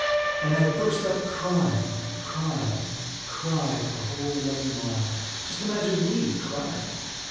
And I burst out crying and I cried and I cried for the whole eleven miles. Just imagine me crying!